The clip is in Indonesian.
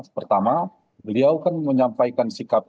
pertama beliau kan menyampaikan sikap